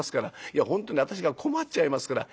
いや本当に私が困っちゃいますから。